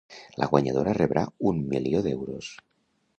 La guanyadora rebrà un milió d’euros.